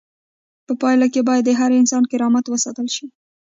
په پایله کې باید د هر انسان کرامت وساتل شي.